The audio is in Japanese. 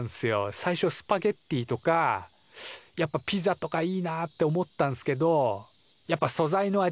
最初スパゲッティとかやっぱピザとかいいなって思ったんすけどやっぱ素材の味